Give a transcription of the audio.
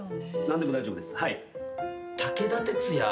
何でも大丈夫です。